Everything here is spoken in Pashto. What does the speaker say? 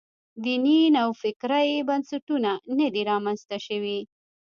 دیني نوفکرۍ بنسټونه نه دي رامنځته شوي.